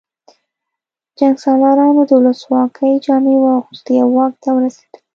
جنګسالارانو د ولسواکۍ جامې واغوستې او واک ته ورسېدل